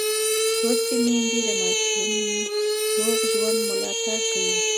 لوستې میندې د ماشوم روغ ژوند ملاتړ کوي.